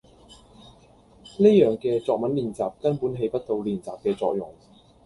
呢樣嘅作文練習根本起不到練習嘅作用